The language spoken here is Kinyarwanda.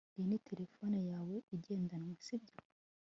iyi ni terefone yawe igendanwa, sibyo